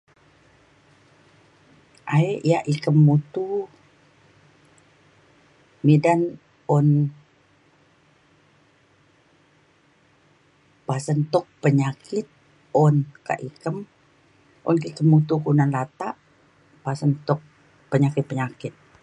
aek yak ikem mutu midan un pasen tuk penyakit un kak ikem un kak ikem mutu kelunan latak pasen tuk penyakit penyakit